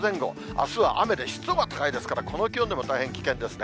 あすは雨で湿度が高いですから、この気温でも大変危険ですね。